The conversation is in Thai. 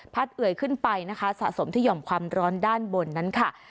เอ่ยขึ้นไปนะคะสะสมที่ห่อมความร้อนด้านบนนั้นค่ะ